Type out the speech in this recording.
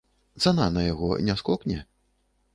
Цана на яго не скокне?